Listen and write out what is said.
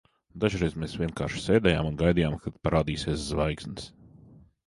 Dažreiz mēs vienkārši sēdējām un gaidījām, kad parādīsies zvaigznes.